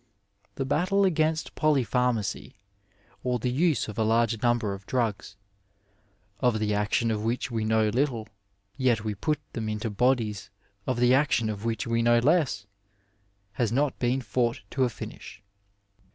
The battie against poly pharmacy, or the use of a large number of drug? (of the action of which we know little, yet we put them into bodies of the action of which we know less), has not been fought to a finish.